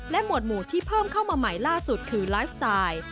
หมวดหมู่ที่เพิ่มเข้ามาใหม่ล่าสุดคือไลฟ์สไตล์